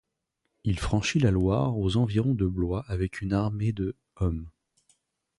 Il franchit la Loire aux environs de Blois avec une armée de hommes.